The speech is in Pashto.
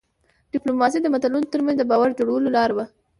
ډيپلوماسي د ملتونو ترمنځ د باور جوړولو لار وه.